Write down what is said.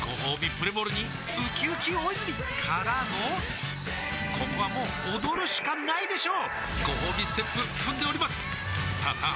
プレモルにうきうき大泉からのここはもう踊るしかないでしょうごほうびステップ踏んでおりますさあさあ